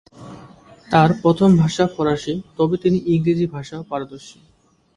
তার প্রথম ভাষা ফরাসি, তবে তিনি ইংরেজি ভাষাও পারদর্শী।